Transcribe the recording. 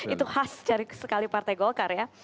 itu khas cari sekali partai golkar ya